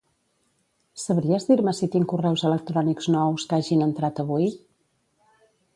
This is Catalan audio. Sabries dir-me si tinc correus electrònics nous que hagin entrat avui?